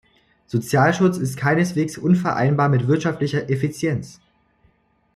Sozialschutz ist keineswegs unvereinbar mit wirtschaftlicher Effizienz.